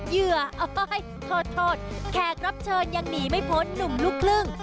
เหยื่อเอ้ยโทษแขกรับเชิญยังหนีไม่พ้นหนุ่มลูกครึ่ง